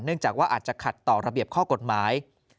จากว่าอาจจะขัดต่อระเบียบข้อกฎหมาย